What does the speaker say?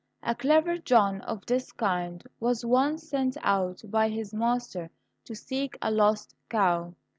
A clever John of this kind was once sent out by his master to seek a lost cow.